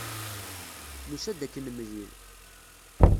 Nusa-d ad k-nemlil.